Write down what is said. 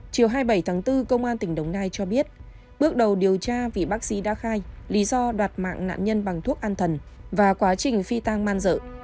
chiều hai mươi bảy tháng bốn công an tỉnh đồng nai cho biết bước đầu điều tra vì bác sĩ đã khai lý do đoạt mạng nạn nhân bằng thuốc an thần và quá trình phi tang man dợ